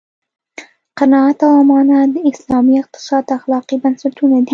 قناعت او امانت د اسلامي اقتصاد اخلاقي بنسټونه دي.